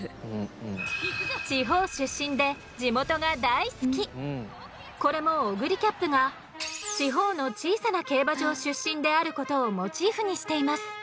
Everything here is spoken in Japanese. そしてこれもオグリキャップが地方の小さな競馬場出身であることをモチーフにしています。